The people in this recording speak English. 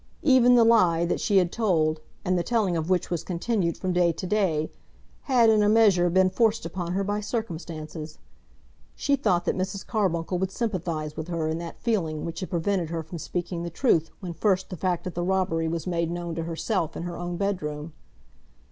Even the lie that she had told, and the telling of which was continued from day to day, had in a measure been forced upon her by circumstances. She thought that Mrs. Carbuncle would sympathise with her in that feeling which had prevented her from speaking the truth when first the fact of the robbery was made known to herself in her own bedroom.